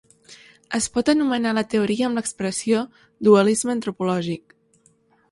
Es pot anomenar la teoria amb l'expressió «dualisme antropològic».